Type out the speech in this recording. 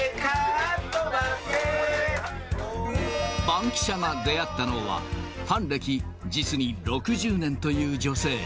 バンキシャが出会ったのは、ファン歴、実に６０年という女性。